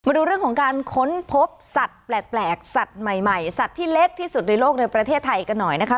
ดูเรื่องของการค้นพบสัตว์แปลกสัตว์ใหม่สัตว์ที่เล็กที่สุดในโลกในประเทศไทยกันหน่อยนะคะ